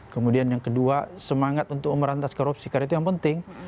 kemudian yang kedua semangat untuk memerantas korupsi karena itu yang penting